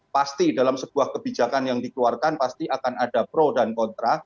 pasti dalam sebuah kebijakan yang dikeluarkan pasti akan ada pro dan kontra